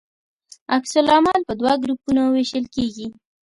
عکس العمل په دوه ګروپونو ویشل کیږي.